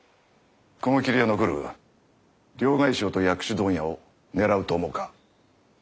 雲霧は残る両替商と薬種問屋を狙うと思うか？